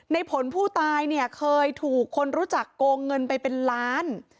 ในผลผู้ตายเนี่ยเคยถูกคนรู้จักโกงเงินไปเป็นล้าน